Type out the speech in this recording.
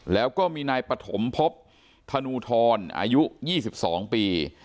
แล้วก็มีนายปฐมพบธนูทรอายุ๒๒ปี